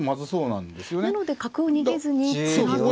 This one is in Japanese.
なので角を逃げずにつなぐ。